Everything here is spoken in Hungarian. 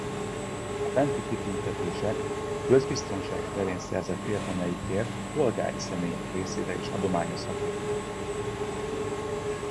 A fenti kitüntetések a közbiztonság terén szerzett érdemeikért polgári személyek részére is adományozhatók voltak.